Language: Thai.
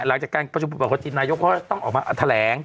หลังจากการประชุมปกตินายกเขาก็ต้องออกมาแถลง